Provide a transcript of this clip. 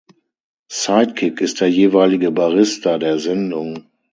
Sidekick ist der jeweilige Barista der Sendung.